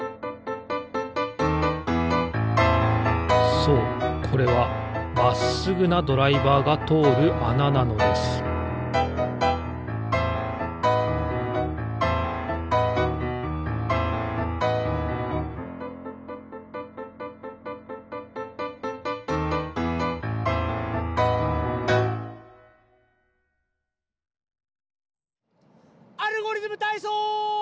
そうこれはまっすぐなドライバーがとおるあななのです「アルゴリズムたいそう」！